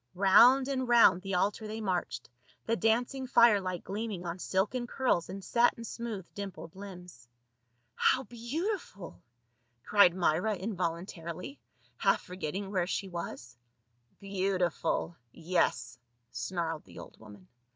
Round and round the altar they marched, the dancing fire light gleaming on silken curls and satin smooth dimpled limbs. IN THE TEMPLE OF BAAL. 93 " How beautiful !" cried Myra involuntarily, half for getting where she was. " Beautiful — yes," snarled the old woman.